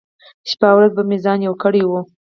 شپه ورځ به مې په ځان يوه کړې وه .